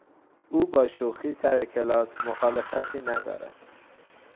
او با شوخی سر کلاس مخالفتی ندارد.